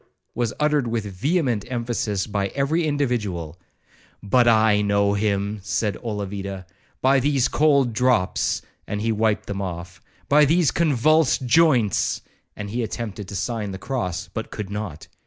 was uttered with vehement emphasis by every individual 'But I know him,' said Olavida, 'by these cold drops!' and he wiped them off,—'by these convulsed joints!' and he attempted to sign the cross, but could not.